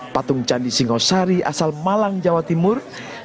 patung candi singosari asal malang jawa timur